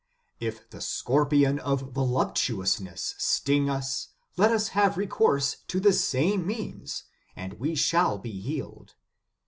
"If the scorpion of voluptuousness sting us, let us have recourse to the same means, and we shall be healed.